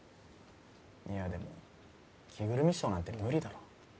いやでも着ぐるみショーなんて無理だろ